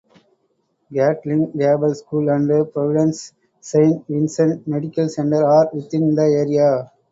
Catlin Gabel School and Providence Saint Vincent Medical Center are within the area.